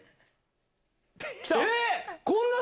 えっ！